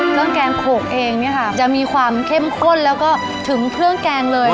แกงโขกเองเนี่ยค่ะจะมีความเข้มข้นแล้วก็ถึงเครื่องแกงเลย